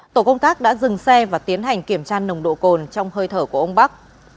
tổ công tác đã dừng xe và tiến hành kiểm tra nồng độ cồn trong hơi thở của ông bắc